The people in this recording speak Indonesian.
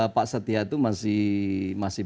pak setia itu masih